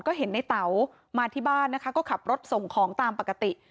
ก็เห็นในเต๋ามาที่บ้านนะคะก็ขับรถส่งของตามปกติ